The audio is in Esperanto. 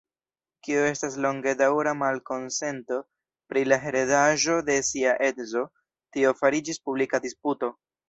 Kio estis longedaŭra malkonsento pri la heredaĵo de sia edzo, tio fariĝis publika disputo.